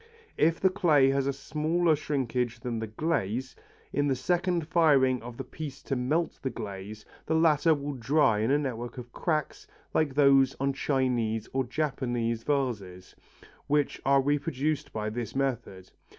If the clay has a smaller shrinkage than the glaze, in the second firing of the piece to melt the glaze, the latter will dry in a network of cracks like those on Chinese or Japanese vases, which are reproduced by this method.